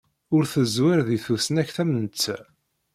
Ur teẓwir deg tusnakt am netta.